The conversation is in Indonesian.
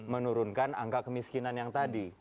menurunkan angka kemiskinan yang tadi